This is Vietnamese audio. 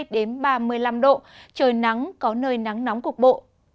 ba mươi hai đến ba mươi năm độ trời nắng có nơi nắng nóng cục bộ